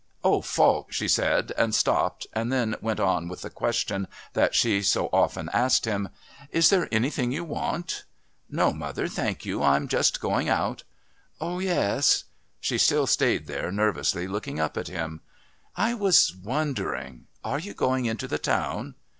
"Oh, Falk," she said, and stopped, and then went on with the question that she so often asked him: "Is there anything you want?" "No, mother, thank you. I'm just going out." "Oh, yes...." She still stayed there nervously looking up at him. "I was wondering Are you going into the town?"